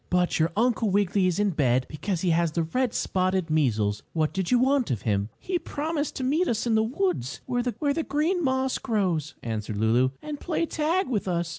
"But your Uncle Wiggily is in bed because he has the red spotted measles. What did you want of him?" "He promised to meet us in the woods, where the green moss grows," answered Lulu, "and play tag with us.